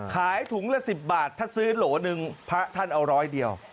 ขายถุงละ๑๐บาทถ้าซื้อโหลหนึ่งพระท่านเอาร้อยเดียว